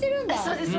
そうです